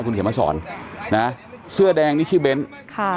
คุณเขียนมาสอนนะเสื้อแดงนี่ชื่อเบ้นค่ะ